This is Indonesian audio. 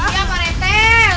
iya pak rete